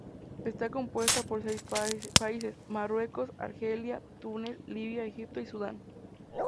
Está compuesta por seis países: Marruecos, Argelia, Túnez, Libia, Egipto y Sudán.